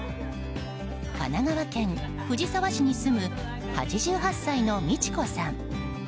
神奈川県藤沢市に住む８８歳の美智子さん。